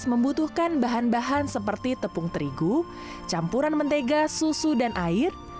membutuhkan bahan bahan seperti tepung terigu campuran mentega susu dan air